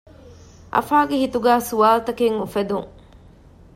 އަފާގެ ހިތުގައި ސްވާލުތަކެއް އުފެދުން